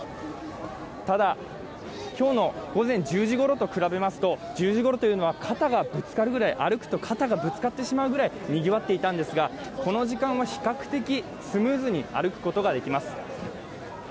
ただ、今日の午前１０時ごろと比べると、１０時ごろは歩くと肩がぶつかってしまうぐらいにぎわっていたんですが、この時間は比較的、スムーズに歩くことができます。